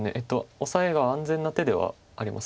オサエが安全な手ではあります。